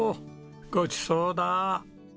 ごちそうだ。